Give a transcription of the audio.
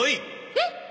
えっ！？